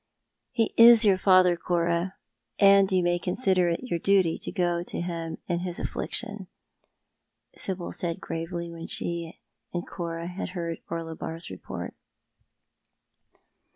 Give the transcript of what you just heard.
" He is your father, Cora, and you may consider it your duty to go to him in his affliction," (Sibyl said gravely, when she and Cora had heard Orlobar's report.